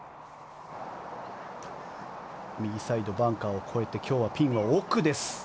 右サイドバンカーを越えて今日はピンは奥です。